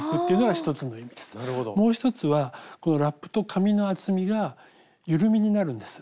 もう１つはこのラップと紙の厚みが緩みになるんです。